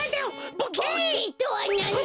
「ボケ」とはなんだ！